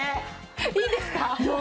いいんですか？